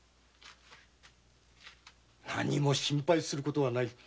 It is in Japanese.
・何も心配することはない。